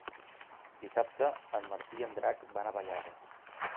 Dissabte en Martí i en Drac van a Vallada.